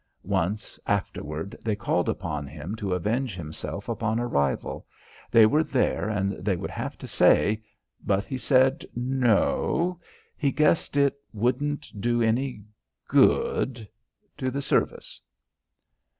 Once, afterward, they called upon him to avenge himself upon a rival they were there and they would have to say but he said no o o, he guessed it wouldn't do any g o oo o d to the service.